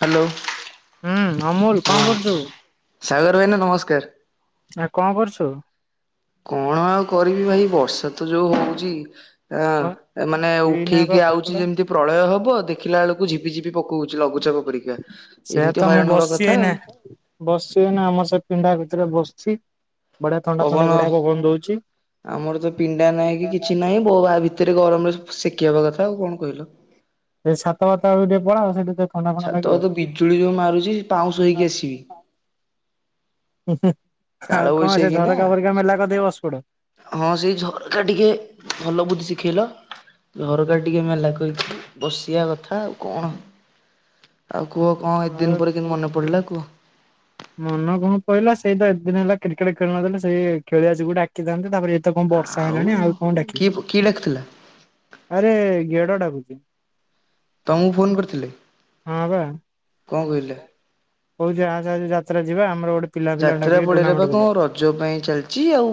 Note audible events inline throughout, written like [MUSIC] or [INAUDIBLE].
Hello ହୁଁ ଅମୂଲ କଣ ହଁ କରୁଛୁ? ସାଗର ଭାଇନା ନମସ୍କାର। ଆ କଣ କରୁଛୁ? କଣ ଆଉ କରିବି ଭାଇ ବର୍ଷା ତ ଯୋଉ ହଉଛି ହଁ ମାନେ ଏଇନା ବା ଉଠିକି ଆଉଛି ପକଲା ଯେମିତି ପ୍ରଳୟ ହବ ଦେଖିଲା ବେଳକୁ ଝିପିଝିପ ପକଉଛି ଲଘୁଚାପ ପରିକା। ସେୟା ଏମିତି ତ ମୁଁ ହଇରାଣ ହବା ବସି କଥା ହେଇନା। ଆଉ ବସିଛି ଏଇନା ଆମର ସେ ପିଣ୍ଡା ଭତରେ ବସିଛି। ବଢିଆ ଥଣ୍ଡା ଥଣ୍ଡା ପବନ ବଢିଆ ଦଉଛି। ଆମର ତ ପିଣ୍ଡା ନାହିଁ କି କିଛି ନାହିଁ ବୋବା ଭିତ ସେଥିରେ ଗରମରେ ସେକିହବା କଥା ଆଉ କଣ କହିଲ? ସେ ଛାତ ଫାତ ଆଡକୁ ଟିକେ ପଳାଅ ସେଠି ଟିକେ ଥଣ୍ଡା ଫଣ୍ଡା ଛାତ ଲାଗିବ। ତ ବିଜୁଳି ଯୋଉ ମାରୁଛି ପାଉଁଶ ହେଇକି ଆସିବି। କାଳ ଆଉ କଣ ସେ ବୈଶାଖୀ ନା। ଝରକା ଫରକା ମେଲା କରିଦେଇ ବସିପଡ଼। ହଁ ସେଇ ଝରକା ଟିକେ ଭଲ ବୁଦ୍ଧି ଶିଖେଇଲ। ଝରକା ଟିକେ ମେଲା କରିକି ବସିବା କଥା ଆଉ କଣ? [INAUDIBLE] ଆଉ କୁହ କଣ ଏ ଆଉ ଦିନ ପରେ କିନ୍ତୁ ମନେ ପଡି଼ଲା କୁହ? ମନ କଣ ପହିଲା ସେଇ ତ ଏତ ଦିନ ହେଲା କ୍ରିକେଟ୍ ଖେଳି ନଥିଲେ ସେଇ ଖେଳିିବାଛି ଗୋଟେ ଡାକିଥାନ୍ତି ତାପରେ ଏତେ କଣ ବର୍ଷା ହେଲାଣି ଆଉ କଣ କି ଡାକିବ? କି ଡାକିଥିଲା ଆରେ ଗେଡ଼ ଡାକୁଛି। ତମକୁ ଫୋନ କରିଥିଲେ, ହଁ କଣ କହିଲେ? କହୁଛି ଅସେ ଆମେ ଯୀତ୍ରା ଯିବା ଅମର ଗୋଟେ ପିଲା ପିଲା ଯାତ୍ରା ଡାକିକି ପଡି଼ଆରେ ଟୁର୍ଣ୍ଣାମେଣ୍ଟ ବା କଣ କରିବା। ରଜ ପାଇଁ ଚାଲିଛି, ଆଉ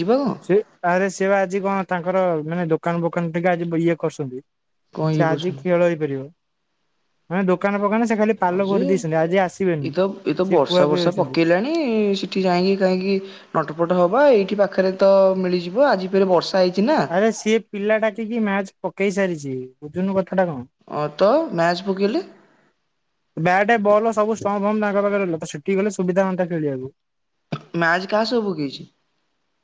ଯିବା କଣ? ତାରେ ସେ ବା ଆଜି କଣ ତାଙ୍କର ମାନେ ଦୋକାନ ବୋକାନ ଟିକେ ଆଜି ଇଏ କରୁଛନ୍ତି। କଣ ସେ ଇଏ ଆଜି କରୁଛନ୍ତି? ଖେଳ ହେଇପାରିବ ମାନେ ଦୋକାନ ପୋକାନ ସେ ଖାଲି ହଁ ପାଲ ଯେ କରିଦେଇଛନ୍ତି, ଆଜି ଆସିବେନି ସିଏ କୁହା କୁହି ହେଇଛନ୍ତି। ନାଇଁ ସେଠି କାଇଁକି କାହିଁକି ନଟପଟ ହବ ଏଇଠି ପାଖରେ ତ ମିଳିଯିବ ଆଜି ଫେରେ ବର୍ଷା ହେଇଛି ନା। ଆ ସିଏ ପିଲାଟା ଡାକି କି ମ୍ୟାଚ ପକେଇ ସାରିଛି। ବୁଝୁନୁ କଥା ଟା କଣ? ହଁ ତ ମ୍ୟାଚ୍ ପକେଇଲେ? ବ୍ୟାଟ ବଲ ସବୁ ଷ୍ଟମ୍ ଫମ୍ପ ତାଙ୍କ ପାଖରେ ରୁହେ ତ ସେଠିକି ଗଲେ ସୁବିଧା ହୁଅନ୍ତା ଖେଳିବାକୁ। ମ୍ୟାଚ୍ କାହା ସହ ପକେଇଛି?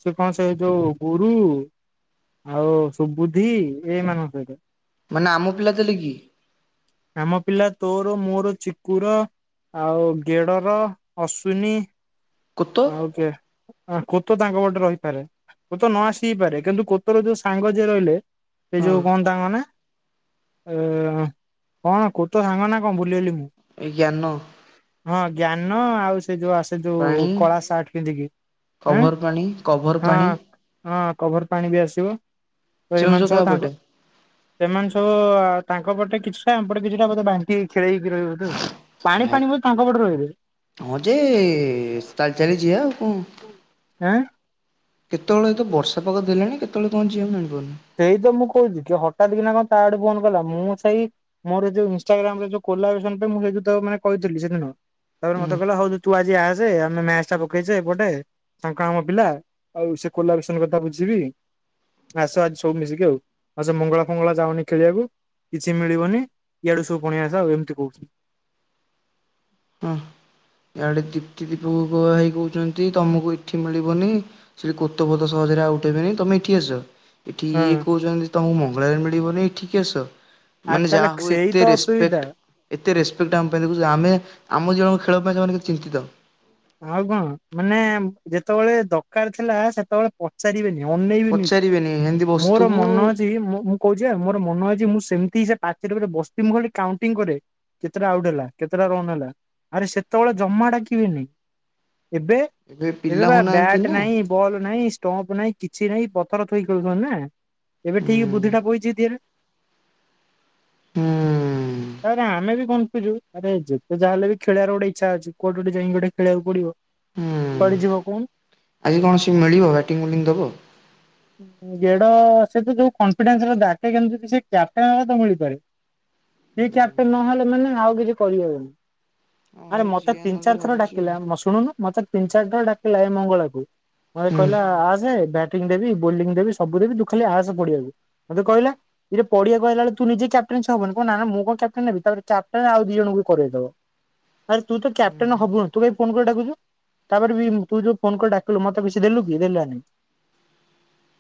ସେ କଣ ସେ ଯୋଉ ଗୁରୁ ଆଉ ସୁବୁଦ୍ଧି ଏମାନଙ୍କ ସହିତ। ମାନେ ଆମ ପିଲା ଥିଲେ କି? ଆମ ପିଲା ତୋର ମୋର ଚିକୁର। ଆଉ ଗେଡର, ଅଶ୍ଵିନୀ କୋତ ଆଉ କିଏ? କୋତ ତାଙ୍କ ପଟେ ରହିପାରେ କୋତ ନ ଆସିବି ପାରେ କିନ୍ତୁ କୋତର ଯୋଉ ସାଙ୍ଗ ଯିଏ ରହିଲେ ସେ ହଁ ଯୋଉ କଣ ତାଙ୍କ ନା? ଅ କଣ କୋତ ସାଙ୍ଗ ନା କଣ? ଭୁଲିଗଲି ମୁଁ। ଜ୍ଞାନ। ହଁ ଜ୍ଞାନ ଆଉ ସେ ଯୋଉ ଆସ ସେ ଯୋଉ ପାଣି କଳା ସାର୍ଟ ପିନ୍ଧିକି। ହଁ। କଭର ପାଣି କଭର ପାଣି ହଁ କଭର ପାଣି ବି ଆସିବ। ତ କେଉଁଝର ଏମାନେ କାହା ସବୁ ପଟେ? ତାଙ୍କ ସେମାନେ ସବୁ ତାଙ୍କ ପଟେ କିଛି ହେ ଆମପଟେ କିଛିଟା ବୋଧେ ବାଣ୍ଟିହେଇକି ଖେଳେଇକି ରହିବେ ବୋଧେ। ଆଉ ପାଣି ଫାଣି ବୋଧେ ତାଙ୍କ ପଟେ ରହିବେ? ହଁ ଯେ ଚାଲି ଚାଲିଯିବା ଆଉ କଣ। ହାଁ। କେତେବେଳେ ତ ବର୍ଷା ପାଗ ଦେଲାଣି କେତେବେଳେ କଣ ଯିବା ମୁଁ ଜାଣିପାରୁନି? ସେଇ ତ ମୁଁ କହୁଛି କି ହଠାତ୍ କିନା କଣ ତା ଆଡ଼ୁ ଫୋନ କଲା। ମୁଁ ସେଇ ମୋର ଯଉ ଇନଷ୍ଟାଗ୍ରାମରେ ଯୋଉ କୋଲାବ୍ରେସନ ମୁଁ ସେଇ ଯଉ ତାକୁ ମାନେ କହିଥିଲି ସେଦିନ। ତାପରେ ହୁଁ ମତେ କହିଲା ହଉ ଯେ ତୁ ଆଜି ଆସେ ଆମେ ମ୍ୟାଚ୍ ଟା ପକେଇଛେ ଏପଟେ ତାଙ୍କ ଆମ ପିଲା ଆଉ ସେ କୋଲାବ୍ରେସନ କଥା ବୁଝିବି ଆସ ଆଜି ସବୁ ମିଶିକି ଆଉ। ଆଉ ସେ ମଙ୍ଗଳା ଫଙ୍ଗଳା ଯାଉନି ଖେଳିବାକୁ। କିଛି ମିଳିବନି। ଇଆଡୁ ସବୁ ବଣିଆ ଆସ, ଆଉ ଏମିତି କହୁ ୟାଡେ ଦୀପ୍ତି, ଦୀପକ [UNINTELLIGIBLE] ଭାଇ କହୁଛନ୍ତି ତମକୁ ଏଇଠି ମିଳିବନି। ସିଏ କୋତଫୋତ ସହଜରେ ଆଉ ପାଇବେନି ତମେ ଏଠି ଆସ। ଏଠି ହଁ ଇଏ କହୁଛନ୍ତି, ତମକୁ ମଙ୍ଗଳାରେ ମିଳିବନି, ଏଠିକି ଆସ। ଆଉ ମାନେ ତାହେଲେ ଯାହା ହଉ, ସେଇ ତ ଏତେ ଅସୁବିଧା। ରେସ୍ପେକ୍ଟ! ଏତେ ରେସପେକ୍ଟ ଆମ ପାଇଁ ଦେଖୁଚ! ଆମେ ଆମ ଜିବନ ଖେଳ ପାଇଁ, ସୋମାନେ କେତେ ଚିନ୍ତିତ! ଆଉ କଣ, ମାନେ ଯେତେବେଳେ ଦରକାର ଥିଲା, ସେତେବେଳେ ପଚାରିବେନି, ଅନେଇବେନି। ପଚାରିବେନି ଏମିତି ମୋର ବସିଥିବୁ ମନ ଅଛି ମୁଁ କହୁଚି ଆଉ ମୋର ମନ ଅଛି ମୁଁ ସେମିତି। ସେ ପାଚିଲେ ସେବସ୍ତି, ମୁଁ ହରେ କାଉଣ୍ଟିଂ କରେ। କେତେଟା ଆଉଟ ହେଲା କେତେଟା ରନ୍ ହେଲା ଆରେ ସେତେବେଳେ ଜମା ଡାକିବେନି! ଏବେ ଏବେ ପିଲା ପା, ହଉନାହାନ୍ତି ବ୍ୟାଟ ନା। ନାହିଁ। ବଲ୍ ନାଇଁ, ଷ୍ଟମ୍ପ ନାହିଁ, କିଛି ନାହିଁ। ପଥର ଥୋଇକି ଖେଳୁଥିବ ନା? ଏବେ ଠିକ୍ ହୁଁ ବୁଦ୍ଧିଟା ପଇଚି ଦିଏରେ। ହୁଁ। ତ, ପରେ ଆମେ ବି କନ୍ ଫିଉଜୁ। ତା, ପାଇଁ ଯେତେଯାହା ହେଲେ ବି ଖଳିବାର ଗୋଟେ ଇଚ୍ଛା ଅଛି। କୋଉଠି ଗୋଟେ ଯାଇକି, ଗୋଟେ ଖେଳିବାକୁ ପିଡିବ। ହୁଁ ଆଜି କୌଣସି ମିଳିବ? ବ୍ୟାଟିଂ, ବୋଲିଂଦବ? [UNINTELLIGIBLE] ଗେଡ଼ ସେ ତ ଯୋଉ କନଫିଡେନ୍ସର ଡାକେ, କିନ୍ତୁ କିଛି କ୍ୟାପଟେନ ତ ମିଳିପାରିବ। ସିଏ କ୍ୟାପଟେନ ନହେଲେ, ମାନେ ଆଉ କିଛି କରିହବନି। ହଁ ଆରେ ହଉ ମତେ ଯିଆ ତିନ, ନହେଲେ ଚାର ଥର ଭାବୁଛି ଆଉ ଡାକିଲା ମ ଶୁଣୁନୁ। ମତେ ତିନି, ଚାର ଥର ଡାକିଲା ଏ ମଙ୍ଗଳାକୁ। ମତେ ହୁଁ କହିଲା, ଆସେ ବ୍ୟାଟିଂ ଦେବି, ବୋଲିଂ ଦେବି, ସବୁ ଦେବି। ତୁ ଖାଲି ଆସେ ପଡିଆକୁ। ମତେ କହିଲା। ଇରେ ପଡ଼ିଆକୁ ଆଇଲା ବଳେ ତୁ ନିଜେ କ୍ୟାପଟେନଛ ହବୁନୁ? କହିଲା ନା ମୁଁ କଣ କ୍ୟାପଟେନ? ତା, ପରେ ଆଉ ଦି ଜଣଙ୍କୁ କରେଇଦବ। ଆରେ, ତୁ ତ କ୍ୟାପଟନ ହୁଁ ହବୁନୁ? ତୁ କାଇଁ ଫୋନ୍ କରି ଡାକୁଛୁ? ତାପରେ ବି ତୁ ଯୋଉ ଫୋନ୍ କରି ଡାକିଲୁ ମତେ କିଛି ଦେଲୁ କି ଦେଲାନି?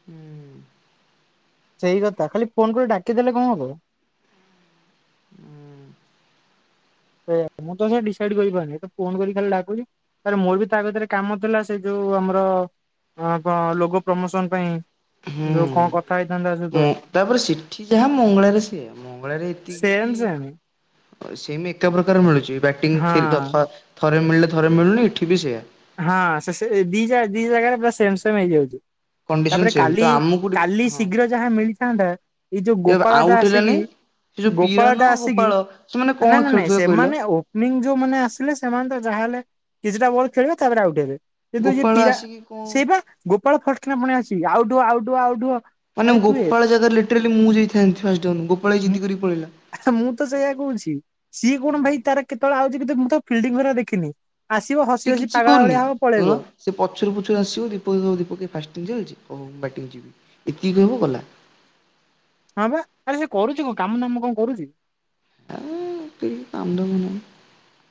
ହୁଁ ସେଇ କଥା ଖାଲି ଫୋନ୍ କରି ଡାକିଦେଲେ କଣ ହବ? ସେଇଆ ମୁଁ ତ ଆଜ୍ଞା ଡିସାଇଡ କରି କହିମି। ଏତେ ଫେନ୍ କରି ଖାଲି ଡାକୁଚି। ଆରେ ମୋର ବି ତା, କତିରେ କାମଥିଲା ସେ ଯୋଉ ଆମର ଆ ପା ଲୋକ ପ୍ରମୋସନ ପାଇଁ ଯୋଉ କଣ କଥା ହେଇଥାନ୍ତା ସବ୍ ଉଁ ତାପରେ ସେଠି ଯାହା ମଙ୍ଗଳାରେ ସେଇୟା ମଙ୍ଗଳାରେ ସେମ୍ ସେମ୍ ଏତିକି। ସେମ୍ ଏକା ପ୍ରକାର ମିଳୁଛି ବ୍ୟାଟିଂ ହଁ ଥିଲଦଫା। ଥରେ ମିଳିଲେ ଥରେ ମିଳୁନି। ଏଠି ବି ସେଇଆ। ହଁ ସେ ସେ ଦିଜାଗ୍ ଦି ଜାଗାରେ ତ ସୋମ୍ ସୋମ୍ ହେଇଯାଉଛି। କଣ୍ଡିସନ ତାପରେ ସେମ୍ ତ କାଲି ଆମକୁ କାଲି ହଁ ଶୀଘ୍ର ଯାହା ମିଳିଥାନ୍ତା ଏଇ ଯୋଉ ଏ ଗୋପାଳ ଟା ଆଉଟ୍ ଆସିକି ହେଲାନି ସେ ଯୋଉ ଗୋପାଳ ପିରାନ ଟା ଆସିକି ଗୋପାଳ ସେମାନେ କଣ ନା ନା ନାଇଁ ଖେଳୁଥିବେ କହିଲ ସେମାନେ ଓକ୍। ଫିଲିଙ୍ଗ୍ ଯୋଉମାନ ଆସିଲେ ସେମାନେ ତ ଯାହାହଲେ କିଛିଟା ବଲ ଖେଳିବେ ତାପରେ ଆଉଟ୍ ହେବେ। ଏବେ ଯିଏ ଗୋପାଳ ପିରା ଆସିକି କଣ ସେଇ ପା ଗୋପାଳ ଫଟ ପୁଣି ଆସିକି ଆଉଟୁ ଆଉଟୁ ଆଉଟୁ। ମାନେ ଗୋପାଳ ଜାଗାରେ ଲିଟେରୀଲି ମୁଁ ଯାଇଥାନ୍ତି ଫାଷ୍ଟା୍। ଗୋପାଳ ଭାଇ ଯିଦି କରି ପଳେଇଲା। ମୁଁ ତ ତାକୁ ସେଇୟା କହୁଛି ସିଏ କଣ ଭାଇ? ତା, ର କେତେବେଳେ ଆଉଛି କେତେ ଫିଲ୍ଡିଂ ଘରେ ଦେଖିନି। ଆସିବ ହସି ହସି ପାଗଳା ଭଳିଆ କୁନି ହବ ପଳେଇବ [UNINTELLIGIBLE] ସେ ପଛୁରୁ ପଛୁରୁ ଆସିବ, ଦୀପକ, ଦୀପକ ଫାଟିଙ୍ଗ୍ ଚାଲିଛି, ଓହୋ, ବ୍ୟାଟିଂ ଯିବି ଏତିକି କହିବ ଗଲା। ହଁ ବା ଆରେ ସେ କରୁଛି କଣ? କାମ ଧାମ କଣ କରୁଛି? ଆଁ କି କାମ ଧାମ।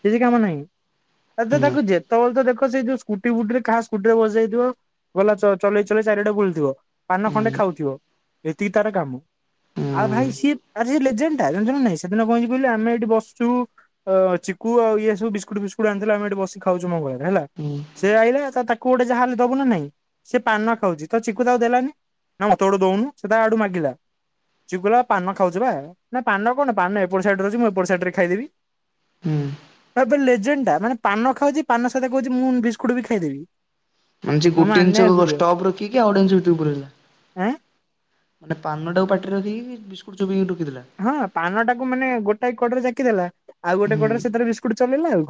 କିଛିି କାମ ନାହିଁ ନା ତାକୁ। ଯେତେବେଳେ ତ ଦେଖ ସେଇ ଯୋଉ ସ୍କୁଟି ଫୁଟିରେ କାହା ସ୍କୁଟି ରେ ବସିଯାଇଥିବ। ଗଲା ଚଅ ଚଲେଇ ଚଲେଇ ଚାରିଟା ବୁଲିଥିବ। ପାନ ଖଣ୍ଡେ ହୁଁ। ଖାଉଥିବ ଏତିକି ତାର କାମ ହୁଁ ଆଉ ଭାଇ ସିଏ ସିଏ ଲେଜେଣ୍ଟ ଟା ଜାଣିଚୁ ନା ନାଇଁ ସେଦିନ କଣ ହେଇଚି କହିିଲୁ ଆମେ ଏଠି ବସିଚୁ ଅ ଚି କୁ ଆଉ ଇଏ ସବୁ ବିସ୍କୁଟ ଫସ୍କୁଟ ଆଣିଥିଲା ଆମେ ଏଠି ବସିଛୁ ଖାଉଛୁ ମୋ ଘରେ ହେଲା। ହୁଁ। ସେ ଆଇଲା ତାକୁ ଗୋଟେ ଯାହା ହେଲେ ଦବୁ ନା ନାଇଁ ସେ ପାନ ଖାଉଛି ତ ଚକୁୁ ତାକୁ ଦେଲାନି। ନା ମତେୋ ଗୋଟେ ଦଉନୁ ସେ ତା ଆଡୁ ମାଗିଲା। ଚୁଗୁଲା ପାନ ଖାଉଚୁବା ନା ପାନ କଣ ପାନ ଏପଟ ସାଇଡ଼େ ଅଛି ମୁଁ ଏପଟ ସାଇଡ ରେ ଖାଇଦେବି। ହୁଁ। ଆବେ ଲେଜେଣ୍ଡ ଟା ମାନେ ପାନ ଖାଉଛି ପାନ ସହିତ କହୁଛି ମୁଁ ବିସ୍କୁଟ ବି ଖାଇଦେବି। ମାନେ ସେଏ ଗୋଟିଏ ଜିନିଷ ମାନିବାକୁ କୁ ପଡିବ ଷ୍ଟକ ରଖିକି ଆଉ ଗୋଟିଏ ଜିନିଷ କୁ ଭିତରକୁ ପୁରେଇଲା। ଆଁ। ମାନେ ପାନଟାକୁ ପାଟିରେ ରଖିକି ବିସ୍କୁଟ ଚୋବେଇ କି ଢ଼ୋକିଦେଲା। ହଁ ପାନଟାକୁୁ ମାନେ ଗୋଟାଏ କଡ ରେ ଜାକି ଦେଲା ଆଉ ଗୋଟେ ହୁଁ କଡରେ ସେଥିରେ ବିସ୍କୁଟ ଚଲେଇଲା ଆଉ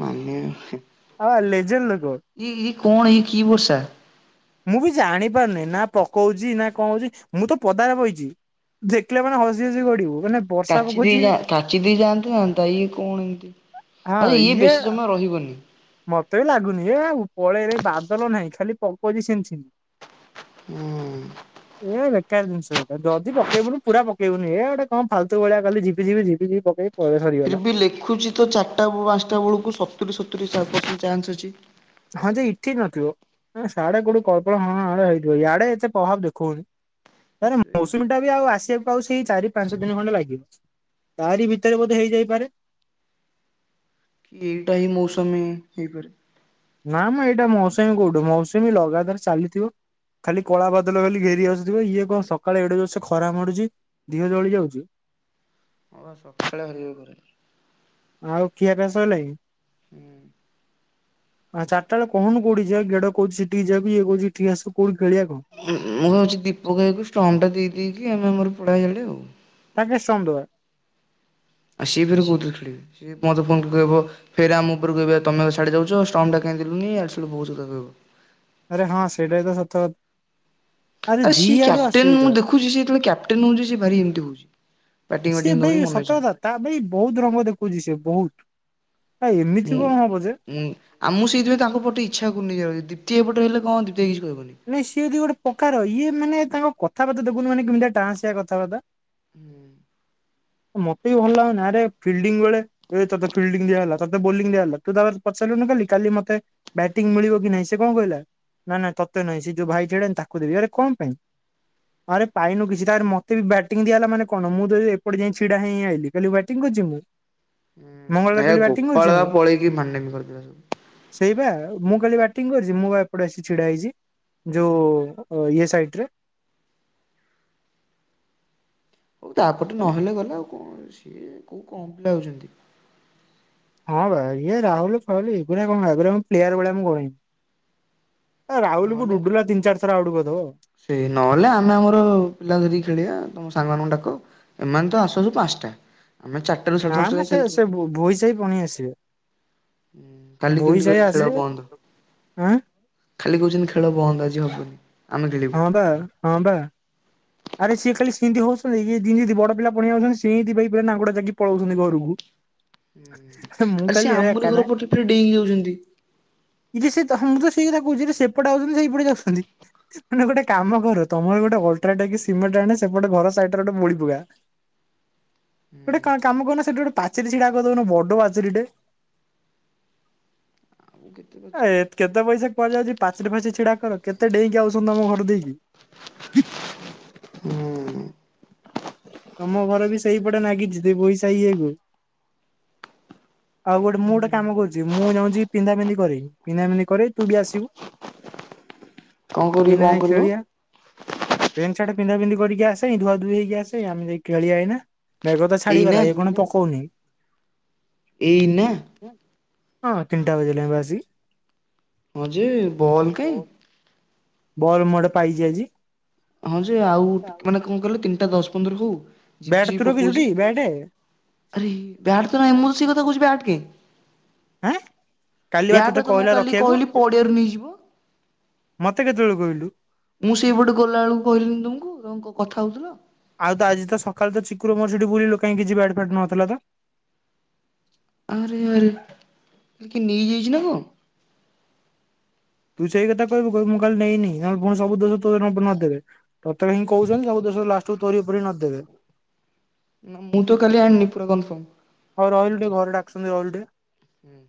ମାନେ ଆ ଲେଜେଲ ଲୋକ। ଇଏ ଇଏ କଣ ଏଇ କି ବର୍ଷା? ମୁଁ ବି ଜାଣି ପାରୁନେଇ ନା ପକଉଛି ନା କଣ ହଉଛି ମୁଁ ତ ପଦାରେ ବଇଚି। ଦେଖିଲା ମାନେ ହସି ହସି ଗଡିବୁ। ମାନେ ବର୍ଷା ପକଉଛି କଚିଦେଇ ଯା କଚିଦେଇ ଜନ୍ତା ହନ୍ତା ଇଏ କଣ ଏମିତି। ହଁ ଜେ ଇଏ ବେଶୀ ସମୟ ରହିବନି। ମତେ ବି ଲାଗୁନି ଏ ପଳେଇ ଲାନି ବାଦଲ ନାହିଁ ଖାଲି ପକଉଚି ସିମ ସିମ। ହୁଁ। [INAUDIBLE] ଏ ବେକାର ଜିନିଷଟା ଯଦି ପକେଇବୁନି ପୁରା ପକେଇବୁିନି ଏ ଗୋଟେ କଣ ଫାଲତୁ ଭଳିଆ ଖାଲି ଝିପି ଝିପି ପକେ। ଫିର ବି ଲେଖୁଛି ତ ଚାରିଟା ପାଞ୍ଚଟା ବେଳକୁ ସତୁରି ସତୁରି ଚାନ୍ସ ଅଛି। ହଁ ଯେ ଏଠି ନଥିବ ସାଡେ କୋଉଠି କଳ୍ପନା ଫଳ୍ପନା ହାଡ଼େ ହେଇଥିବ ୟାଡେ ଏତେ ପ୍ରଭାବ ଦେଖଉନି। ଇଆରେ ସେଇ ତ। ମୌସୁମୀ ଟା ବି ଆଉ ଆସିବା ଆଉ ସେଇ ଚାରି ପାଞ୍ଚ ଦିନ ଖଣ୍ଡେ ଲାଗିବ ତାରି ଭିତରେ ବୋଧେ ହେଇ ଯାଇପାରେ। କି ଏଇଟା ହିଁ ମୌସୁମୀ ହେଇପାରେ। ନା ମ ଏଇଟା ମୌସୁମୀ କୋଉଠୁ ମୌସୁମୀ ଲଗାତାର ଚାଲିଥିବ। ଖାଲି କଳା ବାଦଲ ବୋଲି ଘେରି ଆସୁଥିବ ଇଏ କଣ ସକାଳେ ଏଡେ ଯୋର ସେ ଖରା ମାଡୁଛି ଦେହ ଜଳି ଯାଉଛି। ହଁ ବା ସକାଳେ ହେଇନି ଖରା। ଆଉ ଖିଆ ପିଆ ସାରିଲାଣି। ହୁଁ। ଆ ଚାରିଟା ବେଳେ କହୁନୁ କୋଉଠିକି ଯିବା ଗେଡ଼ କୋହୁଛି ସେଠିକି ଯିବାକୁ ଇଏକହୁଛି ଏଠିକି ଆସ କୋଉଠି ଖେଳିବା କହ। ମୁଁ ଭାବୁଛି ଦୀପକ ଭାଇ କି ଷ୍ଟମ୍ ଟା ଦେଇେଇକି ଆମେ ଆମର ପଳେଇବ ଇଆଡ଼େ ଆଉ। ତାକୁ କାଇଁ ଷ୍ଟମ୍ ଦେବା। ସିଏ ଫେରେ କଉଥିରେ ଖେଳିବେ ସିଏ ମତେ ଫୋନ୍ କରିବ। ଫେରେ ଆମ ଉପରକୁ କହିବ ତମେ ସିଆଡେ ଯାଉଛ ଷ୍ଟମ୍ପ ଟା କାଇଁ ଦେଲନି ଏଆଡୁ ସିଆଡୁ ବହୁତ କଥା କହିବ। ଆରେ ହଁ ସେଇଟା ତ ସତ କ ଆ ସିଏ କ୍ୟାପ୍ଟେନ ମୁଁ ଦେଖୁଛି ସେ ଯେତେବେଳେ କ୍ୟାପ୍ଟେନ ହଉଛି ସେ ଭାରି ଏମିତି ହଉଛି। ବ୍ୟାଟିଂ ସିଏ ବ୍ୟାଟିଂ ଭାଇ ଦଉନି ମନ ସତ ଇଛା। କଥା ତା ଭାଇ ବହୁତ ରଙ୍ଗ ଦେଖଉଛି ସେ ବହୁତ ଏମିତି କଣ ହବ ଯେ। ହୁଁ ଆମକୁ ସେଇଥିପାଇଁ ତାଙ୍କ ପଟେ ଇଚ୍ଛା କରୁନି ଯିବାକୁ ଦ୍ୱିତୀୟ ପଟେ ହେଲେ କଣ ତତେ କିଛି କହିବନି। ନାଇଁ ସିଏ ଯଦି ଗୋଟେ ପ୍ରକାର ଇଏ ମାନେ ତାଙ୍କ କଥା ବାର୍ତ୍ତା ଦେଖୁନୁ କେମିତିଆ ଡ଼ାଆସିଆ କଥା ବାର୍ତ୍ତା। ହୁଁ। ମତେ ବି ଭଲ ଲାଗୁନି ଆରେ ଫିଲ୍ଡିଂ ବେଳେ ଏଇ ତତେ ଫିଲ୍ଡିଂ ଦିଆ ହେଲା ତତେ ବୋଲିଂ ଦିଆ ହେଲା ତୁ ତାପରେ ପଚାରିଲୁନି କାଲି କାଲି ମତେ ବ୍ୟାଟିଂ ମିଳିବ କି ନାଇଁ ସେ କଣ କହିଲା? ନା ନା ତତେ ନାଇଁ ସେ ଯୋଉ ଭାଇ ଛିଡ଼ାହେଇଚନ୍ତି ତାକୁ ଦେବି ଆରେ କଣ ପାଇଁ? ଆରେ ପାଇନୁ କିଛି ତାରେ ମତେ ବି ବ୍ୟାଟିଂ ଦିଆହେଲା ମାନେ କଣ ମୁଁ ଯଦି ଏ ଏପଟେ ଯାଇଁ ଛିଡ଼ା ହେଇଁ ଆଇଲି କାଲି ବ୍ୟାଟିଂ କରଚି ମୁଁ? ମଙ୍ଗଳବାର ନା ହେରା କାଲି ବ୍ୟାଟିଂ କରିଛି ଗୋପାଳା ମୁଁ ପଳେଇକି ଭାଣ୍ଡାମୀ କରିଦେଲା ସବୁ। ସେଇ ବା ମୁଁ କାଲି ବ୍ୟାଟିଂ କରିଚି ମୁଁ ବା ଏପଟେ ଆସି ଛିଡା ହେଇଚି ଯୋଉ ଉ ଉ ଓ ଇଏ ସାଇଡ଼ ରେ। ହଉ ତାପଟେ ନହେଲେ ଗଲା ଆଉ କଣ ସିଏ କୋଉ କମ ପିଲା ଆଉଚନ୍ତି। ହଁ ବା ଇଏ ରାହୁଲ ଫାଉଲ ଏଗୁରା କଣ ଏଗୁରାଙ୍କୁ ମୁଁ ପ୍ଲେୟାର ଭଳିଆ ମୁଁ ଗଣେନି। ଏ ରାହୁଲୁ କୁ ନହେଲେ ଡୁଡୁଲା ତିନ ଚାରଥର ଆଉଟ କରଦବ। ସେ ନହେଲେ ଆମେ ଆମର ପିଲା ଧରିକି ଖେଳିବା ତମ ସାଙ୍ଗ ମାନଙ୍କୁ ଡାକ। ଏମାନେ ତ ଆସୁ ଆସୁ ପାଁଶଟା ଆମେ ଚାର ନା ମ ସେ ସେ ବୋ ବୋଇ ସାହି ପୁଣି ଆସିବେ। ହୁଁ କାଲି ଭୋଇ କେମତି ସାହି କହିଲେ ଖେଳ ଆସିବେ ବନ୍ଦ। ଆଁ ଖାଲି କହୁଚନ୍ତି ଖେଳ ବନ୍ଦ ଆଜି ହବନି। ଆମେ ଖେଳିବୁ। ହଁ ବା ହଁ ବା। ଆରେ ସିଏ ଖାଲି ସିନ୍ତି ହଉସନ୍ତି ଏଇ ଯିମିତି ବଡ ପିଲା ପଳେଇ ଆଉଚନ୍ତି ସିନ୍ତି ଭାଇ ପୁରା ନାଙ୍ଗୁଡ଼ ଜାକି ପଳଉସନ୍ତି ଘରୁକୁ। ହେ ମୁଁ ଆରେ ସେ କାଲି ହେ ଆମରି ଘର କେନେ ପଟେ ଫେରେ ଡେଇଁକି ଯାଉଛନ୍ତି। ବିଶି ତ ହଁ ମୁଁ ତ ସେଇ କଥା କହୁଚି ସେପଟେ ଆଉସନ୍ତି ସେଇପଟେ ଯାଉସନ୍ତି। ମାନେ ଗୋଟେ କାମ କର ତମର ବି ଗୋଟେ ଅଲ ଅଲଟ୍ରାଟେକ ସିମେଣ୍ଟ ଆଣେ ସେପଟେ ଘର ସାଇଡ଼ ଟାରେ ଗୋଟେ ବୋଳି ପକା। ଗୋଟେ କା କାମ କରୁନ ସେଠି ଗୋଟେ ପାଚେରି ଛିଡ଼ା କରି ଦଉନ ବଡ ପାଚେରିଟେ। ଆଉ କେତେ [UNINTELLIGIBLE] ଆ ଏ ପଚାରିବେ। କେତେ ପଇସା କୁଆଡେ ଯାଉଚି ପାଚିରି ଫାଚିରି ଛିଡ଼ା କର କେତେ ଡେଇଁକି ଆଉସନ୍ତି ତମ ଘର ଦେଇକି। ହୁଁ ତମ ଘର ବି ସେଇ ପଟେ ନାଗିଚି ଦେ ବୋଇ ସାହି ଇଏକୁ। ଆଉ ଗୋଟେ ମୁଁ ଗୋଟେ କାମ କରୁଚି ମୁଁ ଯାଉଚି ପିନ୍ଧା ପିନ୍ଧି କରିବି ପିନ୍ଧା ପିନ୍ଧି କରିବି ତୁ ଟିକେ ଆସିବୁ। କଣ କରିବି ଏଇନା କଣ ଯାଇଁ କରିବ ଖେଳିବା। ପେଣ୍ଟ ସାର୍ଟ ପିନ୍ଧା ପିନ୍ଧି କରିକି ଆସେ ଧୁଆ ଧୋଇ ହେଇ କି ଆସେ ଆମେ ଯାଇ ଖେଳିବା ଏଇନା। ମେଘ ତ ଏଇନା ଛାଡ଼ିଗଲା ଏଇ ଖୁଣୁ ପକଉନି। ଏଇନା? ହଁ ତିନଟା ବାଜିଲାଣି ପା ଆସିକି। ହଁ ଯେ ବଲ୍ କାଇଁ? ବଲ୍ ମୁଁ ଗୋଟେ ପାଇଚି ଆଜି। ହଁ ଯେ ଆଉ ଟିକ ମାନେ କଣ କହିଲ ତିନିଟା ଦଶ ପନ୍ଦର ହଉ। ଝିପି ବ୍ୟାଟ୍ ଝିପି ତୁ ପକଉଛି ରଖିଚୁଟି ବ୍ୟାଟେ? ଆରେ ହେ ବ୍ୟାଟ୍ ତ ନାଇଁ ମୁଁ ତ ସେଇକଥା କହୁଚି ବ୍ୟାଟ କେଁ? ଆଁ କାଲି ବା ତୋତେ ବ୍ୟାଟ ତ ମୁଁ କହିଲା କାଲି ରଖିବାକୁ କହିଲି ପଡ଼ିଆରୁ ନେଇଯିବୁ। ମତେ କେତବଳେ କହିଲୁ? ମୁଁ ସେଇପଟେ ଗଲାବେଳକୁ କହିଲି ନି ତମକୁ ତମେ କ କଥା ହଉଥିଲ? ଆଉ ତ ଆଜି ତ ସଖାଳୁ ତ ଚିକୁର ମୋର ସେଠି ବୁଲିଲୁ କାଇଁ କିଛି ବ୍ୟାଟ ଫ୍ୟାଟ ନଥିଲା ତ? ଆରେ ଆରେ ହେଟା କିଏ ନେଇ ଯାଇଚି ନା କଁ? ତୁ ସେଇ କଥା କହିବୁ କହିବୁ ମୁଁ କାଲି ନେଇନି ନହେଲେ ଫୁଣି ସବୁ ଦୋଷ ତୋର ମୋ ଉପରେ ନଦି ଦେବେ। ତତେହିଁ କହୁଚନ୍ତି ସବୁ ଦୋଶ ଲାଷ୍ଟକୁ ତୋହରି ଉପରେ ନଦି ଦେବେ। ମୁଁ ତ କାଲି ଆଣନି ପୁରା କନଫର୍ମ। ହଉ ରହିଲୁ ଟିକେ ଘରେ ଡାକୁଛନ୍ତି ରହିଲୁ ଟିକେ। ହୁଁ।